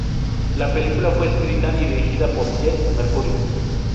La película fue escrita y dirigida por Jed Mercurio.